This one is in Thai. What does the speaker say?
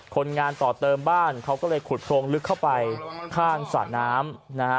คนงานต่อเติมบ้านเขาก็เลยขุดโพรงลึกเข้าไปข้างสระน้ำนะฮะ